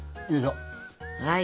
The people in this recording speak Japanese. はい。